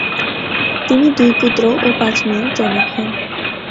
তিনি দুই পুত্র ও পাঁচ মেয়ের জনক হন।